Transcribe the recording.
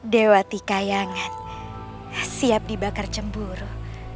dewa tikayangan siap dibakar cemburu